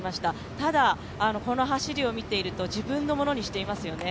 ただ、この走りを見ていると自分のものにしていますよね。